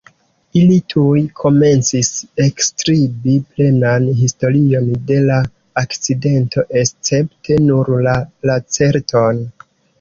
Ili tuj komencis elskribi plenan historion de la akcidento, escepte nur la Lacerton.